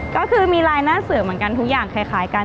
ก็คือมีลายหน้าเสือเหมือนกันทุกอย่างคล้ายกัน